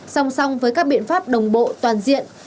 song song với các biện pháp đồng bộ toàn diện